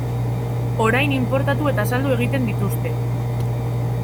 Orain inportatu eta saldu egiten dituzte.